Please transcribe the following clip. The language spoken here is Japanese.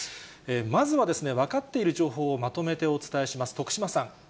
まずは、分かっている情報をまとめてお伝えします。